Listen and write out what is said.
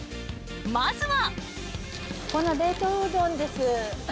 まずは。